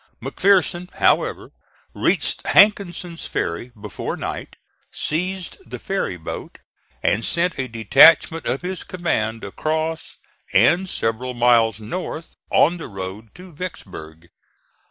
McPherson, however, reached Hankinson's ferry before night, seized the ferry boat, and sent a detachment of his command across and several miles north on the road to Vicksburg.